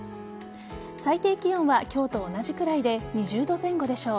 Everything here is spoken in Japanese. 最低気温は今日と同じくらいで２０度前後でしょう。